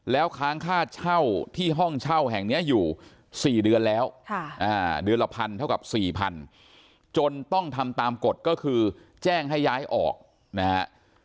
แล้วค้างค่าเช่าที่ห้องเช่าแห่งนี้อยู่๔เดือนแล้วเดือนละพันเท่ากับ๔๐๐จนต้องทำตามกฎก็คือแจ้งให้ย้ายออกนะฮะ